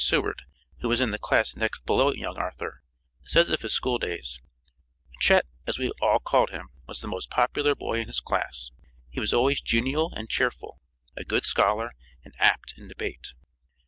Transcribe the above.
Seward, who was in the class next below young Arthur, says of his school days: "Chet, as we all called him, was the most popular boy in his class. He was always genial and cheerful, a good scholar, and apt in debate."